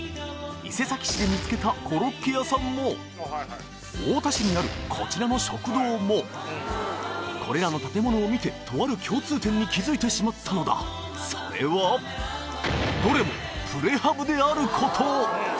伊勢崎市で見つけたコロッケ屋さんも太田市にあるこちらの食堂もこれらの建物を見てとある共通点に気づいてしまったのだそれはどれもプレハブであることを！